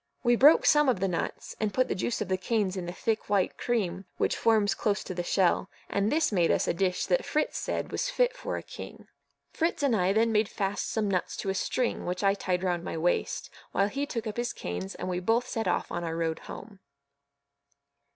We broke some of the nuts, and put the juice of the canes in the thick white cream which forms close to the shell; and this made us a dish that Fritz said was fit for a king. Fritz and I then made fast some nuts to a string, which I tied round my waist, while he took up his canes, and we both set off on our road home.